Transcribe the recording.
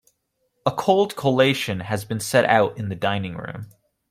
A cold collation has been set out in the dining-room.